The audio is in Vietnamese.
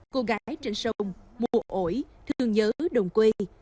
cô gái trên sông mùa ổi thương nhớ đồng quê